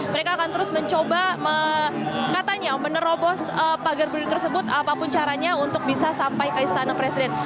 mereka akan terus mencoba katanya menerobos pagar budi tersebut apapun caranya untuk bisa sampai ke istana presiden